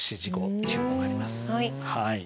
はい。